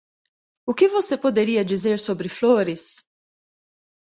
O que você poderia dizer sobre flores?